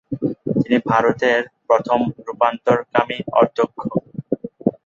তিনি ভারতের প্রথম রূপান্তরকামী অধ্যক্ষ।